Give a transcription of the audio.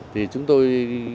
thì chúng tôi